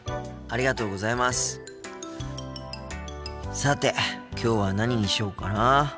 さてきょうは何にしようかなあ。